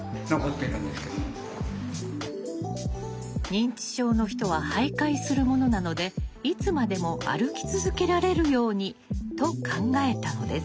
「認知症の人は徘徊するものなのでいつまでも歩き続けられるように」と考えたのです。